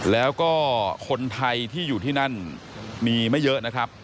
แล้วก็คนไทยที่อยู่ที่นั่นมีไม่เยอะนะครับ